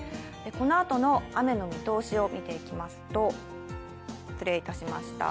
このあとの雨の見通しを見ていきますと、失礼いたしました。